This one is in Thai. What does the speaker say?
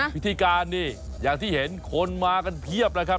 พิธีการนี่อย่างที่เห็นคนมากันเพียบแล้วครับ